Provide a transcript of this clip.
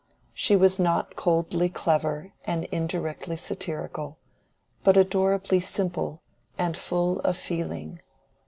She was not coldly clever and indirectly satirical, but adorably simple and full of feeling.